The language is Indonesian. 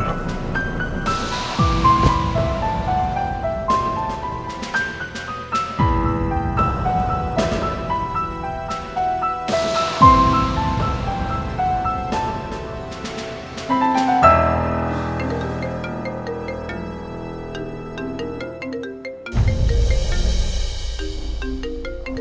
apaan ini telfonnya